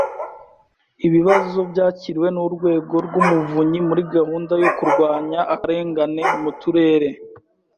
Ibibazo byakiriwe n Urwego rw Umuvunyi muri gahunda yo kurwanya akarengane mu Turere